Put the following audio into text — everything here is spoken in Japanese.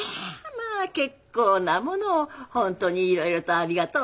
まあ結構なものを本当にいろいろとありがとうございました。